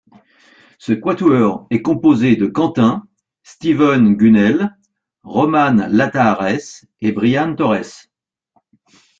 Ce quatuor est composé de Quentin, Steven Gunnell, Roman Lata Ares et Brian Torres.